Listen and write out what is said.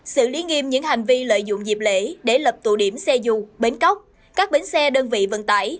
xử lý nghiêm những hành vi lợi dụng dịp lễ để lập tụ điểm xe dù bến cóc các bến xe đơn vị vận tải